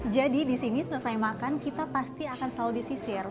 jadi disini setelah saya makan kita pasti akan selalu disisir